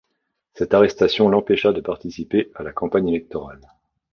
Cette arrestation l'empêcha de participer à la campagne électorale.